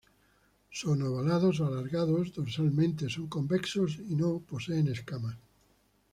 Son ovalados o alargados, dorsalmente son convexos, y no poseen escamas.